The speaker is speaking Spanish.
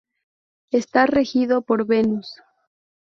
Está regido por Venus.